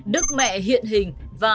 đức mẹ hiện hình